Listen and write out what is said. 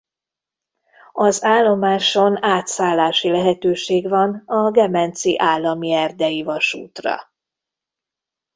Az állomáson átszállási lehetőség van a Gemenci Állami Erdei Vasútra.